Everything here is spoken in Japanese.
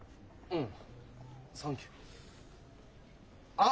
うん。